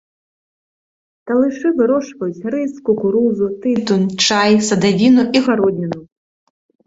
Талышы вырошчваюць рыс, кукурузу, тытунь, чай, садавіну і гародніну.